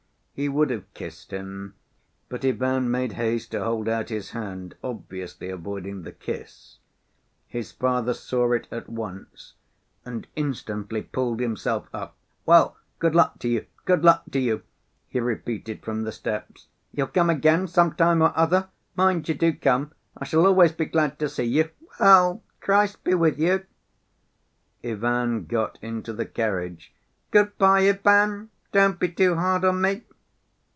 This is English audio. He would have kissed him, but Ivan made haste to hold out his hand, obviously avoiding the kiss. His father saw it at once, and instantly pulled himself up. "Well, good luck to you, good luck to you!" he repeated from the steps. "You'll come again some time or other? Mind you do come. I shall always be glad to see you. Well, Christ be with you!" Ivan got into the carriage. "Good‐by, Ivan! Don't be too hard on me!"